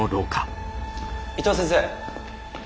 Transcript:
伊藤先生。